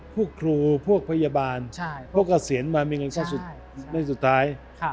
พวกครูพวกพยาบาลพวกเกษียณมามีเงินข้าวสุดในสุดท้าย